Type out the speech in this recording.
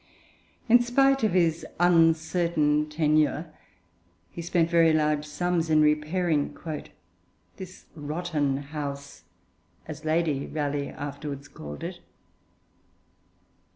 In spite of his uncertain tenure, he spent very large sums in repairing 'this rotten house,' as Lady Raleigh afterwards called it.